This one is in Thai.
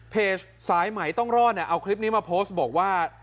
เพจสายไหมต้องรอดเอาคลิปนี้มาโพสต์บอกว่า